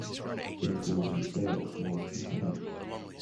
It was very close to him.